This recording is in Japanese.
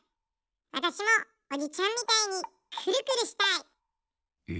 わたしもおじちゃんみたいにくるくるしたい！